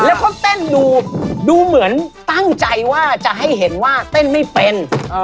เพราะว่าเต้นดูเดี๋ยวเหมือนตั้งใจว่าจะให้เห็นว่าเต้นไม่เป็น